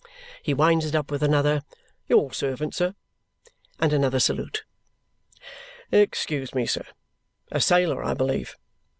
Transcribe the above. He winds it up with another "Your servant, sir!" and another salute. "Excuse me, sir. A sailor, I believe?"